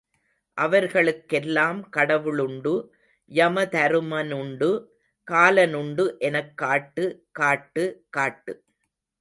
அவர்களுக் கெல்லாம் கடவுளுண்டு, யமதருமனுண்டு, காலனுண்டு எனக் காட்டு, காட்டு, காட்டு.